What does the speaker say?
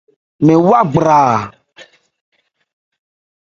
Mɛn wá gbraa.